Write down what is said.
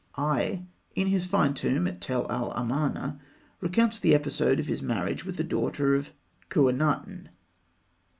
Aï, in his fine tomb at Tell el Amarna, recounts the episode of his marriage with the daughter of Khûenaten.